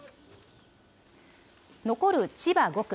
残る千葉５区。